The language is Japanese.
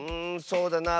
そうだな。